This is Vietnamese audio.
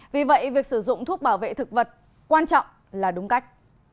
vì vậy việc sử dụng thuốc bảo vệ thực vật quan trọng là đúng cách